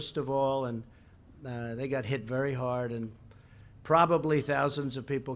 dan mungkin ada ribuan orang yang dibunuh